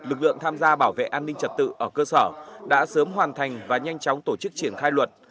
lực lượng tham gia bảo vệ an ninh trật tự ở cơ sở đã sớm hoàn thành và nhanh chóng tổ chức triển khai luật